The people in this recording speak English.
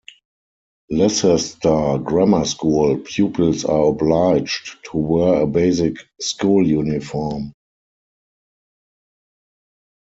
Leicester Grammar School pupils are obliged to wear a basic school uniform.